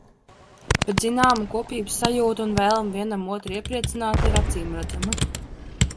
Bet zināma kopības sajūta un vēlme vienam otru iepriecināt ir acīmredzama.